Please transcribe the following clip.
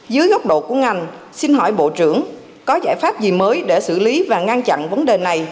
dưới góc độ của ngành xin hỏi bộ trưởng có giải pháp gì mới để xử lý và ngăn chặn vấn đề này